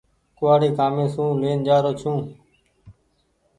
ڪوُوآڙي ڪآمي سون لين جآرو ڇون ۔